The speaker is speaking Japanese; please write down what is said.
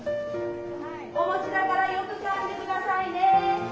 お餅だからよくかんで下さいね。